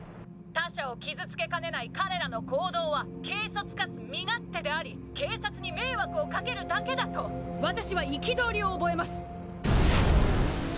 「他者を傷つけかねない彼らの行動は軽率かつ身勝手であり警察に迷惑をかけるだけだと私は憤りを覚えます！」